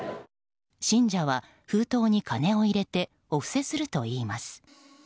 信者は、封筒に金を入れてお布施するといいます。